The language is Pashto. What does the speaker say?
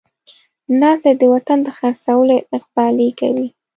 ناست دی د وطن د خر څولو اقبالې کوي